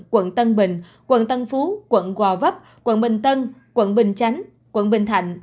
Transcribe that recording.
quận tân bình quận tân phú quận gò vấp quận bình tân quận bình chánh quận bình thạnh